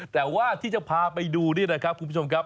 แต่ว่าที่จะพาไปดูนี่นะครับคุณผู้ชมครับ